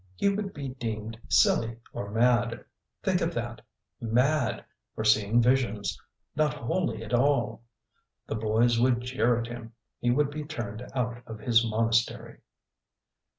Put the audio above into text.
He would be deemed silly or mad; think of that mad for seeing visions, not holy at all! The boys would jeer at him; he would be turned out of his monastery.